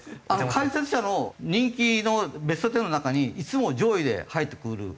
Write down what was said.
解説者の人気のベスト１０の中にいつも上位で入ってくるぐらいすごい人。